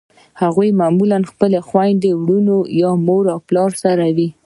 هغوی معمولأ د خپلو خویندو ورونو یا مور پلار سره وي.